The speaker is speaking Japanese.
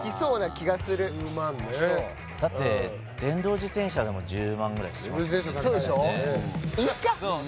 ねだって電動自転車でも１０万ぐらいしますもんね